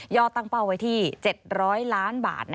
ยอตังป่าวไว้ที่๗๐๐ล้านบาท